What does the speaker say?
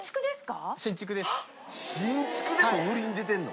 新築でもう売りに出てるの？